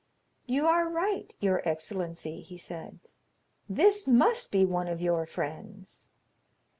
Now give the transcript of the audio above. "You are right, your excellency," he said; "this must be one of your friends."